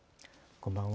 こんばんは。